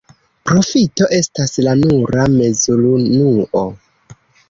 Profito estas la nura mezurunuo.